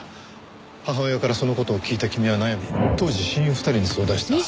母親からその事を聞いた君は悩み当時親友２人に相談した。